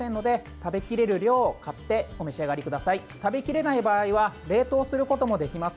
食べきれない場合は冷凍することもできます。